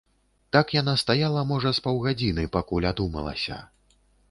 Так яна стаяла, можа, з паўгадзіны, пакуль адумалася.